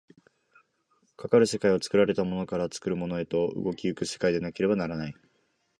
かかる世界は作られたものから作るものへと動き行く世界でなければならない。